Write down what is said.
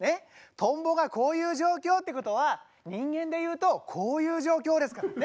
トンボがこういう状況ってことは人間で言うとこういう状況ですからね。